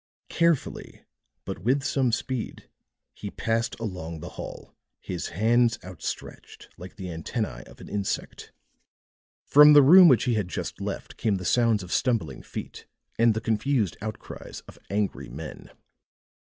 Carefully, but with some speed, he passed along the hall, his hands outstretched like the antennæ of an insect. From the room which he had just left came the sounds of stumbling feet and the confused outcries of angry men.